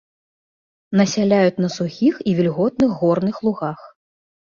Насяляюць на сухіх і вільготных горных лугах.